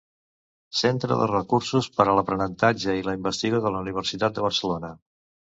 Centre de Recursos per a l'Aprenentatge i la Investigació de la Universitat de Barcelona.